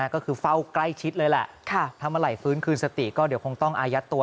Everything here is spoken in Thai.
ก็คือเฝ้าใกล้ชิดเลยแหละถ้าเมื่อไหร่ฟื้นคืนสติก็เดี๋ยวคงต้องอายัดตัว